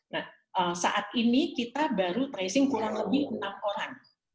nah saat ini kita baru tracing kurang lebih enam orang